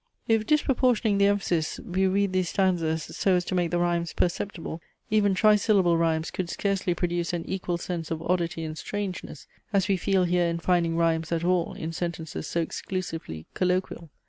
If disproportioning the emphasis we read these stanzas so as to make the rhymes perceptible, even tri syllable rhymes could scarcely produce an equal sense of oddity and strangeness, as we feel here in finding rhymes at all in sentences so exclusively colloquial.